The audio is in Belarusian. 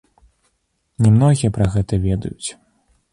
Не многія пра гэта ведаюць.